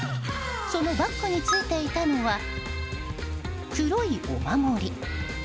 そのバッグについていたのは黒いお守り。